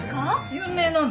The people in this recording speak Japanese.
有名なの？